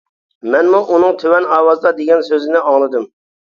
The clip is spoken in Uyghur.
مەنمۇ ئۇنىڭ تۆۋەن ئاۋازدا دېگەن سۆزنى ئاڭلىدىم.